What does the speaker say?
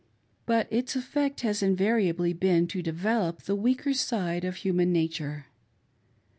But its effect has invariably been to develope the weaker side of human nature.